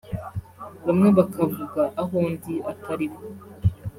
bamwe bakavuga aho ndi atariho